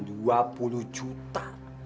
dua puluh juta